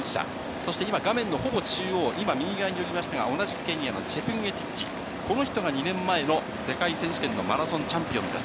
そして今画面のほぼ中央、今、右側に寄りましたが、同じくケニアのチェプンゲティッチ、この人が２年前の世界選手権のマラソンチャンピオンです。